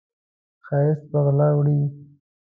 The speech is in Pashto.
ښایست په غلا وړي